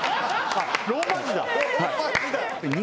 ローマ字だ！